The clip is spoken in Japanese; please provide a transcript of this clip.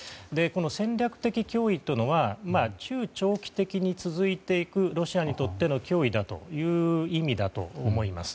戦略的脅威というのは中長期的に続いていくロシアにとっての脅威だという意味だと思います。